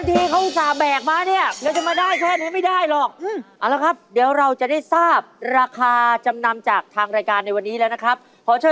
แต่วันนี้นะราคามหาชนจะเท่าไหร่นะเจ๊